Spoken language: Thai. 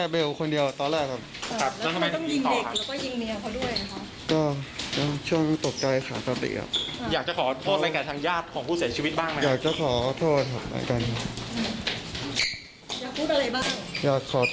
ส่วนร่างกาย